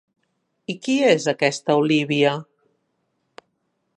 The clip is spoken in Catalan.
I qui és aquesta Olívia?